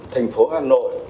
thành phố hà nội